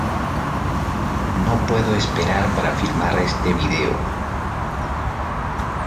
No puedo esperar para filmar este video!